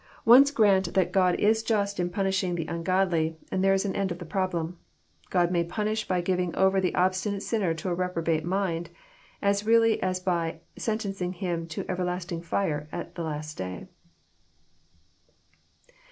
Once grant that God is Jast in punishing the un godly, and there is an end of the problem. God may punish by giving over the obstinate sinner to a reprobate mind, as really as by sentencing him to everlasting fire at the last day.